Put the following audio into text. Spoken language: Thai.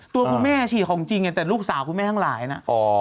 ตัวคุณแม่ฉี่ของจริงแต่ลูกสาวคุณแม่ทั้งหลายนะ